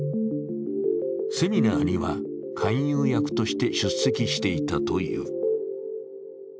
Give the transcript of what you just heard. セミナーには勧誘役として出席していたという。